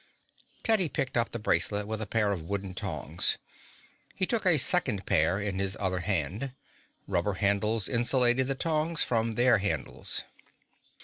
Teddy picked up the bracelet with a pair of wooden tongs. He took a second pair in his other hand. Rubber handles insulated the tongs from their handles.